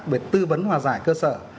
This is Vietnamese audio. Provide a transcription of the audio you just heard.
về tư vấn hòa giải cơ sở